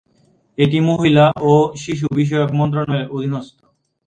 এটি মহিলা ও শিশু বিষয়ক মন্ত্রণালয়ের অধীনস্থ।